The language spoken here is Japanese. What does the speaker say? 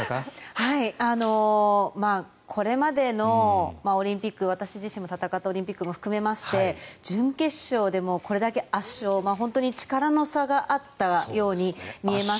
これまでのオリンピック私自身も戦ったオリンピックも含めまして準決勝でこれだけ圧勝、本当に力の差があったように見えます。